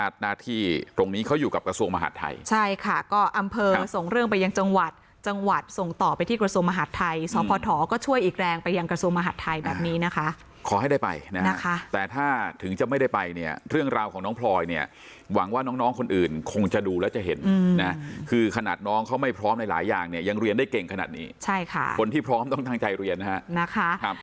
จังหวัดส่งต่อไปที่กระโสมหาดไทยสภก็ช่วยอีกแรงไปยังกระโสมหาดไทยแบบนี้นะคะขอให้ได้ไปนะคะแต่ถ้าถึงจะไม่ได้ไปเนี่ยเรื่องราวของน้องพลอยเนี่ยหวังว่าน้องคนอื่นคงจะดูแล้วจะเห็นนะคือขนาดน้องเขาไม่พร้อมในหลายอย่างเนี่ยยังเรียนได้เก่งขนาดนี้ใช่ค่ะคนที่พร้อมต้องทางใจเรียนนะคะ